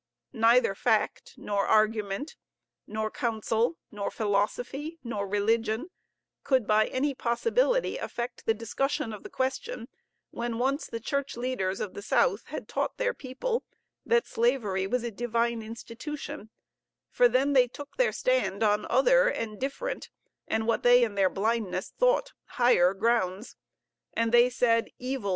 Neither fact nor argument, nor counsel, nor philosophy, nor religion, could by any possibility affect the discussion of the question when once the Church leaders of the South had taught their people that slavery was a Divine institution; for then they took their stand on other and different, and what they in their blindness thought higher grounds, and they said, "Evil!